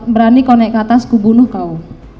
berani kau naik ke atas ku bunuh kau